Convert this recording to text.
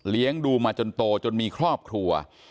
เลี้ยงดูมาจนโตจนมีครอบครัว